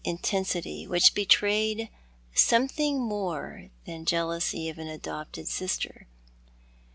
intensity wbicli betrayed something more than jealousy of an adopted sister.